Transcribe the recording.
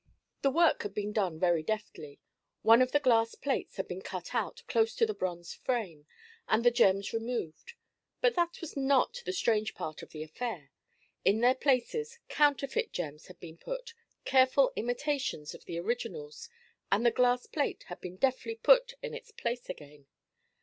The work had been done very deftly. One of the glass plates had been cut out close to the bronze frame, and the gems removed; but that was not the strange part of the affair. In their places counterfeit gems had been put, careful imitations of the originals, and the glass plate had been deftly put in its place again.